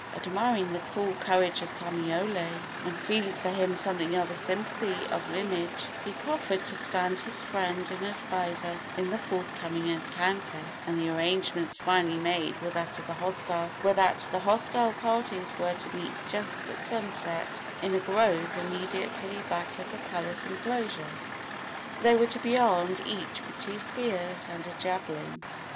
Admiring the cool courage of Kamaiole, and feeling for him something of a sympathy of lineage, he proffered to stand his friend and adviser in the forthcoming encounter; and the arrangements finally made were that the hostile parties were to meet just at sunset in a grove immediately back of the palace enclosure. They were to be armed each with two spears and a javelin.